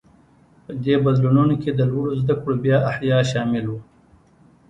په دې بدلونونو کې د لوړو زده کړو بیا احیا شامل و.